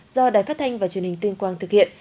do đài phát thanh và truyền hình tuyên quang thực hiện